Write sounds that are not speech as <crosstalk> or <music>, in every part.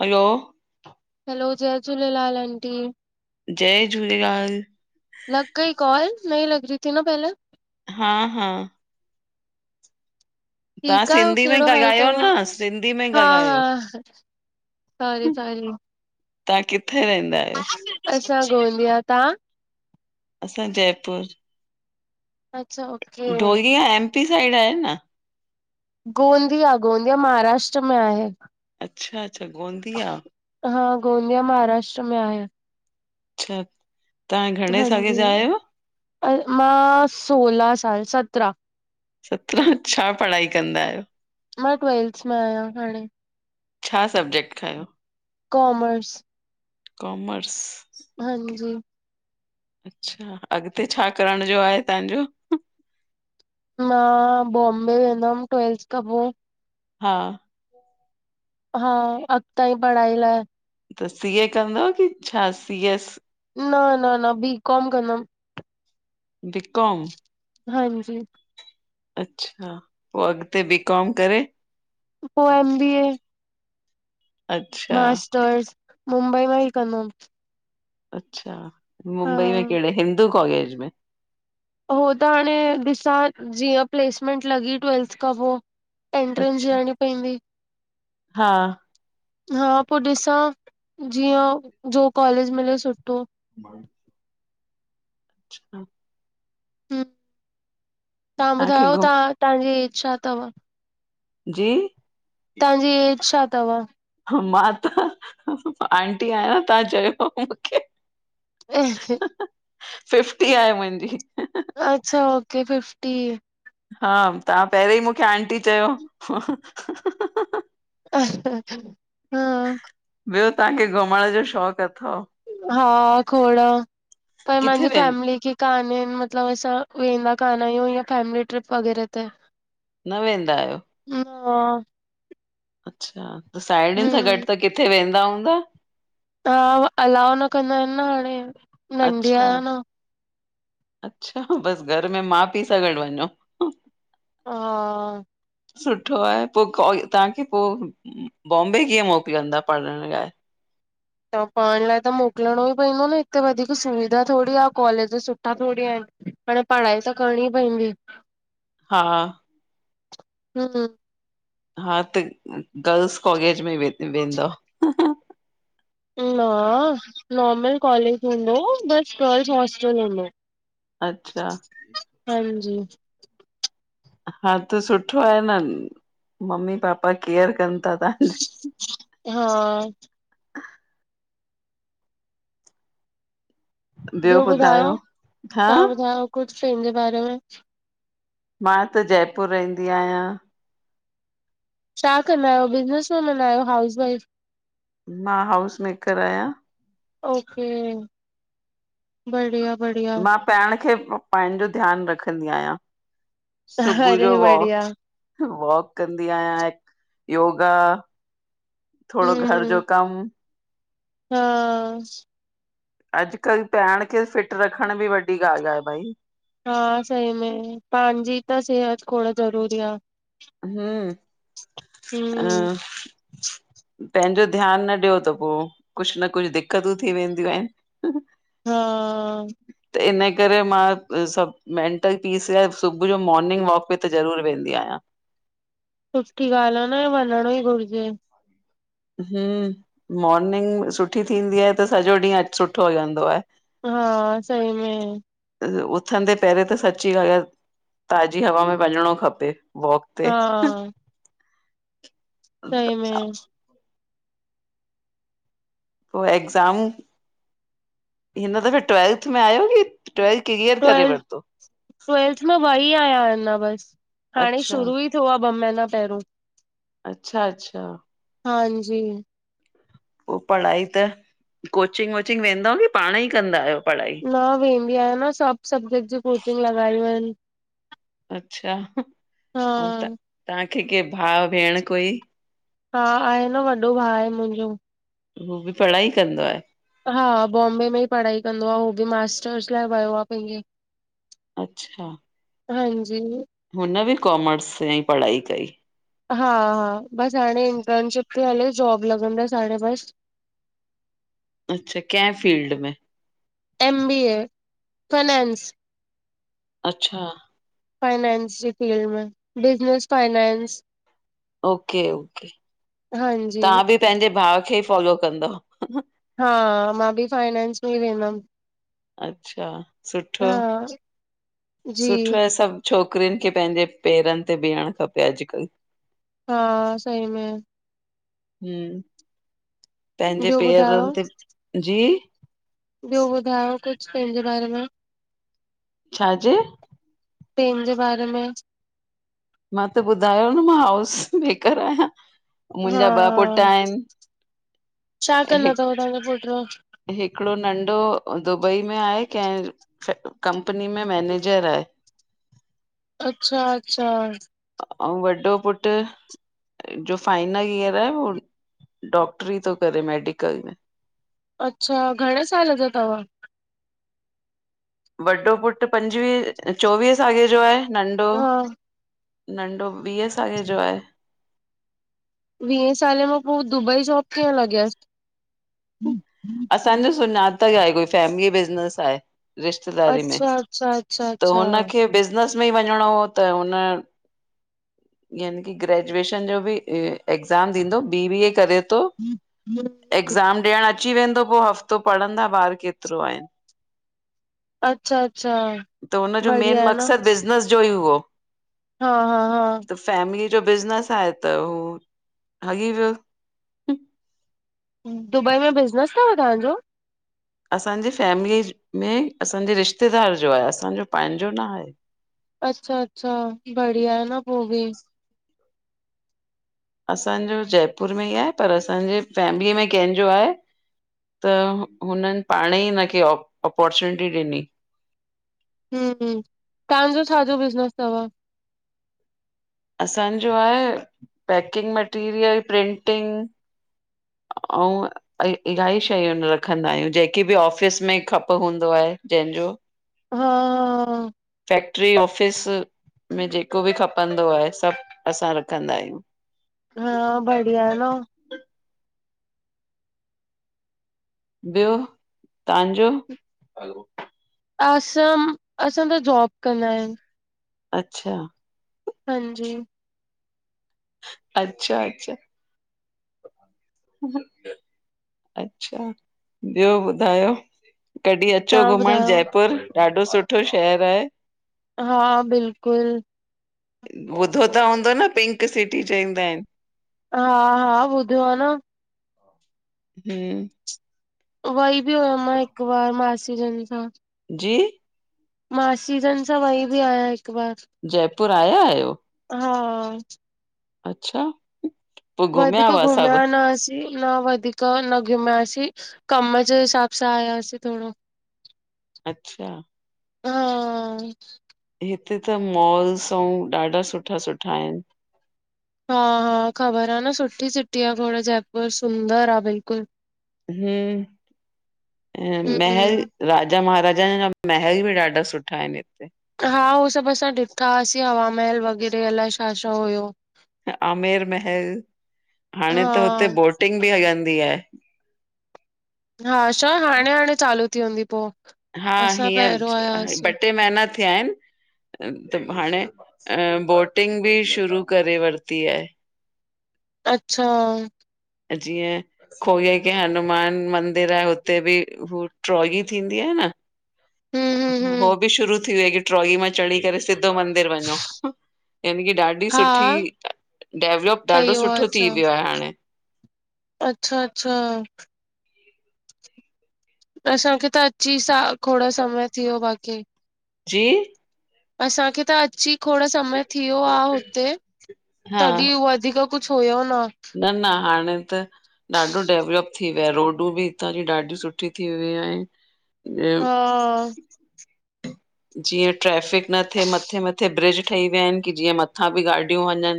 Hello. Hello जय Jhulelal aunty. जय झूलेलाल। लॻ गई कॉल नही लॻ रही थी ना पहले? हा हा। तव्हां ठीक आयो सिंधी में केड़ो हाल ॻाल्हायो तव न, सिंधी में हा ॻाल्हायो। हा। तव्हांजी साहेड़ी तव्हां किथे रहंदा आयो? असां गोंदिया तव्हां? असां जयपुर। अच्छा। ओके ढोलिया एमपी साइड आहे न? गोंदिया गोंदिया महाराष्ट्र में आहे। अच्छा अच्छा गोंदिया। हा गोंदिया महाराष्ट्र में आहे। अच्छा। तव्हां घणे साले हांजी जा आहियो? मां सोलहा साल सत्रह सत्रहां अच्छा पढ़ाई कंदा आयो? मां ट्वेल्स में आयां हाणे। छा सब्जेक्ट खंयो? कॉमर्स। कॉमर्स। ओके, हांजी। अच्छा अॻते छा करण जो आहे तव्हांजो? मां बॉम्बे वेंदम ट्वेल्थ खां पो। हा। हा अॻतांई जी पढ़ाई लाइ। त सीए कंदाव की छा सीएस? न न न बी कॉम कंदम बीकॉम? हांजी। अच्छा पो अॻते बीकॉम करे? पो एम बी ए। अच्छा मास्टर्स मुंबई मां ई कंदम। अच्छा मुंबई में हा। केड़े हिंदू कॉलेज में? हो त हाणे ॾिसां जीअं प्लेसमेंट लॻी ट्वेल्थ खां पो। एंट्रेंस अच्छा ॾियणी पवंदी। हा। हा पो ॾिसां जीअं जो कॉलेज मिले सुठो। बाकी अच्छा हम तव्हां तव्हांखे ॿुधायो घु तव्हांजी एज छा तव? जी? तव्हांजी एज छा तव? मां त आंटी आयां तव्हां चयो मूंखे। अ फिफ्टी आहे मुंजी। अच्छा ओके फिफ्टी। हा तव्हां पहरीं ई मूंखे आंटी चयो। हा। ॿियो तव्हांखे घुमण जो शौंक़ अथव? हा खोड़ पर किथे मंजी वे फैमली खे काने मतलब असा वेंदा काना ईय या फैमिली ट्रिप वग़ैरह ते न वेंदा आयो। न। अच्छा त साहेड़ियुन सां गॾ हम्म त किथे वेंदा हूंदा? हा अलाउ न कंदा ईन न हाणे। नंढी अच्छा आहियां न अच्छा बस घर में मा पी सां गॾ वञो। हा। सुठो आहे पोइ कॉ तव्हांखे पो बॉम्बे कीअं मोकिलंदा पढ़ण लाइ? त पढ़ण लाइ त मोकलणो ई पवंदो न हिते वधीक सुविधा थोरी आह कॉलेज सुठा थोरी एन। हाणे पढ़ाई त करणी पवंदी। हा। हम। हा त गर्ल्स कॉलेज में व वेंदव। न नॉर्मल कॉलेज हूंदो बस गर्ल्स हॉस्टल हूंदो। अच्छा। हांजी। हा त सुठो आहे न मम्मी पापा केअर कन ता तव्हांजी। हा। ॿियो ॿुधायो हा तव्हां ॿुधायो कुझ पेंजे बारे में। मां त जयपुर रहंदी आयां। छा कंदा आयो बिज़नेस वुमन आयो हाउस वाइफ? मां हाउस मेकर आयां। ओके बढ़िया बढ़िया। पाइण खे पाईंजो जो ध्यान रखंदी आयां सुबुह अरे जो वॉक बढ़िया वॉक कंदी आयां योगा थोरो घर हम्म जो कम हा। अॼकल्ह पाइण खे फिट रखण बि वी ॻाल आह भाई। हा सही में पांजी त सेहत खोड़ ज़रूरी आह। हम अ हम्म पेंजो ध्यान न ॾियो त पो कुझ न कुझ दिक़तू थी वेंदियूं एन। हा। त इन करे मां सभ मेंटल पीस लाए सुबुह जो मोर्निंग वॉक बि त ज़रूर वेंदी आयां। सुठी ॻाल्ह आह न ह वञणो ई घुरजे। हम मोर्निंग सुठी थींदी आह त सॼो ॾींह अॾ सुठो हलदों आह। हा सई में उथंदे पहिरे त सची अगर ताज़ी हवा में वञणो खपे। वॉक ते हा सई में। पो एगज़ाम हिन दफ़े ट्वेल्थ में आयो की ट्वेलथ क्लीियर करे ट्वेल्थ वरतो। ट्वेल्थ में वई आयां अञा बस हाणे अच्छा शुरू ई थियो आहे ॿ महीना पहिरू। अच्छा अच्छा। हांजी। पो पढ़ाई त कोचिंग वोचिंग वेंदा आयो की पाण ई कंदा आयो पढ़ाई? न वेंदी आयां न सभ सब्जेक्ट जी कोचिंग लॻायूं एन। अच्छा उ त तव्हांखे के भा भेण कोई? हा आहे न वॾो भा आहे मुंजो। हूो बि पढ़ाई कंदो आहे हा बॉम्बे में ई पढ़ाई कंदो आह उहो बि मास्टर्स लाइ वयो आहे पेंजी। अच्छा। हांजी। हुन बि कॉमर्स सां ई पढ़ाई कई। हा हा बसि हाणे इंटर्नशिप थी हले, जॉब लॻंदसि हाणे बसि। अच्छा, केंह फील्ड में? M B A finance. अच्छा! फाइनैंस जी फील्ड में, बिज़नेस फाइनैंस। ओके ओके, हांजी तव्हां बि पंहिंजे भाउ खे ही फॉलो कंदओ? हा, मां बि फाइनेंस में ई वेंदमि। अच्छा सुठो, हा जी सुठो आ सभु। छोकिरियुनि खे पंहिंजे पेरनि ते भिहणु खपे अॼुकल्हु। हा, सही में। हम, पहिंजे ॿियो ॿुधायो पेरनि ते, जी? ॿियो ॿुधायो, कुछ पहिंजे बारे में? छाजे? पहिंजे बारे में। मां त ॿुधायो न, मां हाउस मेकर आहियां। हा, मुंहिंजा ॿ पुट आहिनि छा कंदा हि तव तव्हांजा पुट्र? हिकिड़ो नंढो दुबई में आहे केंहिं कंपनी में मैनेजर आहे। अच्छा अच्छा अऊं वॾो पुटु जो फाइनल ईयर आहे, उहो डॉक्टरी तो करेे मेडिकल में। अच्छा घणे साल जो तव? वॾो पुटु पंजवीहे चोवीहे साले जो आहे, नंढो हा नंढो वीहे साले जो आहे। वीहे साल में पोइ दुबई जॉब कीअं लॻयसि? असांजो सुञातल आहे, कोई फैमिली बिज़नेस आहे। रिश्तेदारी में, अच्छा अच्छा अच्छा त अच्छा हुनखे बिज़नेस में ई वञणो हो, त हुन यानी की ग्रेजुएशन जो बि एक्ज़ाम ॾीदो, बी बी ए करे तो। <inaudible> एग्ज़ाम ॾियणु अची वेंदो, पोइ हफ़्तो पढ़ंदा ॿारि केतिरो आहिन? अच्छा अच्छा त हुन जो मेन बढ़िया आहे न मक़सदु, बिज़नस जो ई हुओ। हा हा हा त फैमिली जो बिज़नेस आहे, त हू हली वियो। दुबई में बिज़नेस तव ताहांजो? असांजी फैमिली में असांजे रिश्तेदार जो आहे, असांजो पहिंजो न आहे। अच्छा अच्छा, बढिया आहे न पोइ बि। असांजो जयपुर में ई आहे, पर असांजे फैमिलीअ में कहिंजो आहे। त हुननि पाणु ई हिन खे अपॉर्चुनिटी ॾिनी। हम् हम्, ताहांजो छाजो बिज़नेस तव? असांजो आहे, पैकिंग मटीरियल, प्रिंटिंग अऊं अ इल्हाई शयूं रखंदा आहियूं, जेकी बि ऑफ़िस में खप हूंदो आहे जंहिंजो। हा। फैक्ट्री ऑफिस में जेको बि खपंदो आहे, सभु असां रखंदा आहियूं हा बढ़िया ए न। ॿियो तव्हांजो? असांम, असां त जॉब कंदा आहिन। अच्छा। हांजी। अच्छा अच्छा। अच्छा, ॿियो ॿुधायो? कॾी अचो तव्हां घुमण ॿुधायो जयपुर, ॾाढो सुठो शहरु आहे। हा बिल्कुल। ॿुधो त हूंदो न, पिंक सिटी चईंदा आहिन। हा हा ॿुधयो आ न। हम्म वई बि हुयम मां हिकु बार, मासी जनि सां। जी? मासीजनि सां वई बि आहियां हिकु बार। जयपुर आया आहियो? हा अच्छा? पोइ वधीक हुआ घुमिया सभु न आसीं। न वधीक न घुमियासीं, कम जे हिसाबु सां आयासीं थोड़ो। अच्छा। हा हिते त मॉल्स अऊं ॾाढा सुठा सुठा आहिन। हा हा ख़बर आ न, सुठी सिटी आ खोड़ जयपुर, सुंदर आ बिल्कुल। हम्म अ हम्म महल राजा महाराजा उन जा महल बि ॾाढा सुठा आहिन हिते। हा ऊओ सभु असां ॾिठाहासीं, हवा महल वग़ैरह अलाए शा शा हुयो। आमेर महल, हाणे त हुते हा बोटिंग बि हलंदी आहे। हा शा, हाणे हाणे चालू थी हूंदी पोइ? हा हींअर ॿ टे महीना थिया आहिन। त हाणे बोटिंग बि शुरू करे वरिती आहे। अच्छा! अ जीअं खोए खे हनुमान मंदिर आ, उते बि हू ट्रोगी थींदी आहे न? हम्म हो हम्म बि शुरू थी वई कि, ट्रॉगी मां चढ़ी करे सिधो मंदिर वञो। यानी कि ॾाढी हा सुठी, डेवलुप ॾाढो ठही वियो आ सुठो थी वियो आ हाणे। अच्छा अच्छा! त असांखे त अची स- खोड़ समय थी वियो बाक़ी। जी? असांखे त अची खोड़ समय थी वियो आ हुते, हा तॾी हूअ वधीक कुछ हुयो न। न न हाणे त ॾाढो डेवलप थी वियो आ, रोडूं बि हितां जी ॾाढी सुठी थी वयूं आहिन। ॼणु हा जीअं ट्रैफिक न थिए, मथे मथे ब्रिज ठही विया आहिन, की जीअं मथां बि गाॾियूं वञनि।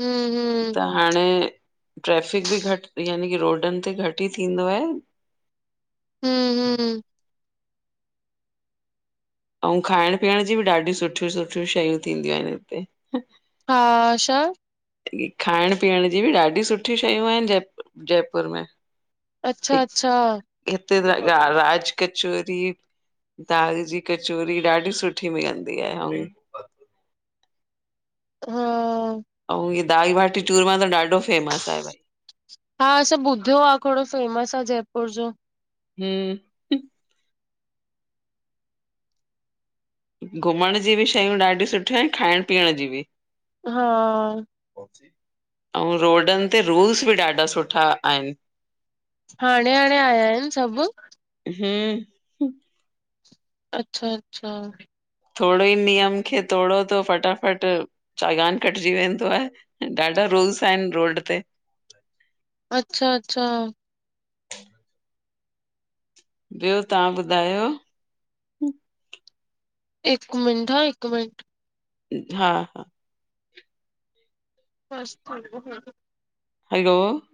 हम्म हम्म। त हाणे ट्रैफिक बि घट यानी की रोडनि ते घट ई थींदो आहे। हम्म हम्म। ऐं खाइण पीअण जी बि ॾाढी सुठियूं सुठिय शयूं थींदियूं आहिन हिते। हा अ छा। खाइण पीअण जी बि ॾाढी सुठी शयूं आहिन जय जयपुर में। अच्छा अच्छा। हित त राज कचोरी - - दाल जी कचोरी ॾाढी सुठी मिलंदी आहे ऐं - - हा हम्म। ऐं हीअ दाल बाटी चुरमा त ॾाढो फेमस आहे भई। हा सभु ॿुधियो आहे खोड़ फेमस आहे जयपुर जो। हम्म। घुमण जी बि शयूं ॾाढियूं सुठियूं आहिन खाइण पीअण जी बि। हा - - ऐं रोडन ते रूल्स बि ॾाढा सुठा आहिन। हाणे हाणे आया आहिन सभ। हम्म। अच्छा अच्छा। थोरो ई नियम खे तोड़ो थो फटाफट - - चालान कटजी वेंदा आहिन ॾाढा रुल्स आहिनि रोड ते। अच्छा अच्छा। ॿियो तव्हां ॿुधायो। हिक मिट हा हिक मिट - - हा हा - - ब ह ह - - हैलो - -